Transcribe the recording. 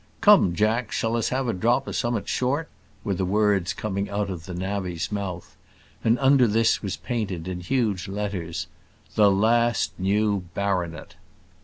"Come, Jack, shall us have a drop of some'at short?" were the words coming out of the navvy's mouth; and under this was painted in huge letters, "THE LAST NEW BARONET."